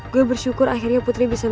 gue bersyukur akhirnya putri bisa